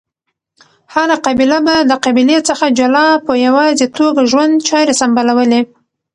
هره قبیله به د قبیلی څخه جلا په یواځی توګه ژوند چاری سمبالولی